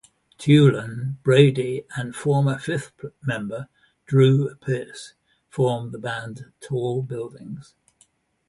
Tulen, Bradie and former fifth member, Drew Pearse formed the band Tall Buildings.